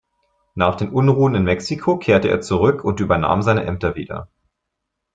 Nach den Unruhen in Mexiko kehrte er zurück und übernahm seine Ämter wieder.